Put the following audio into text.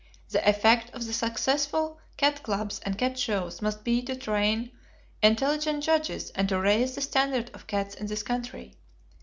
The effect of the successful cat clubs and cat shows must be to train intelligent judges and to raise the standard of cats in this country.